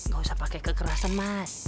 gak usah pakai kekerasan mas